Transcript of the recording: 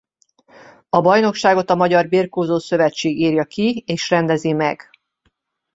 A bajnokságot a Magyar Birkózó Szövetség írja ki és rendezi meg.